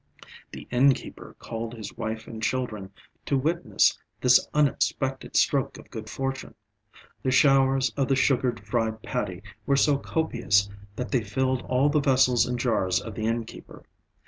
The innkeeper called his wife and children to witness this unexpected stroke of good fortune. The showers of the sugared fried paddy were so copious that they filled all the vessels and jars of the innkeeper.